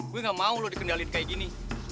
gue gak mau lo dikendalin kayak gini